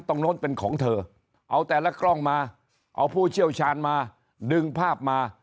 โน้นเป็นของเธอเอาแต่ละกล้องมาเอาผู้เชี่ยวชาญมาดึงภาพมา